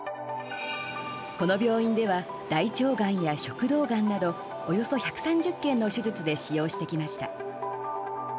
この病院では大腸がんや食道がんなどおよそ１３０件の手術で使用してきました。